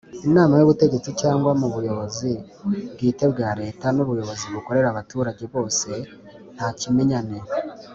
Inama y’ubutegetsi cyangwa mu buyobozi bwite bwa Leta n’Ubuyobozi bukorera abaturage bose ntakimenyane.